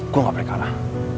gua ga boleh kalah